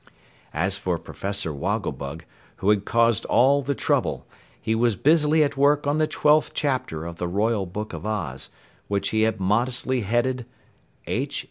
As for Professor Wogglebug, who had caused all the trouble, he was busily at work on the twelfth chapter of the Royal Book of Oz, which he had modestly headed: H.